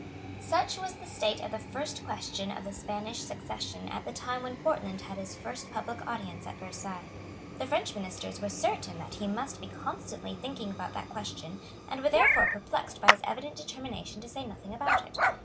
Such was the state of the question of the Spanish succession at the time when Portland had his first public audience at Versailles. The French ministers were certain that he must be constantly thinking about that question, and were therefore perplexed by his evident determination to say nothing about it.